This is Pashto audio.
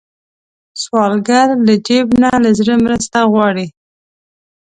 سوالګر له جیب نه، له زړه مرسته غواړي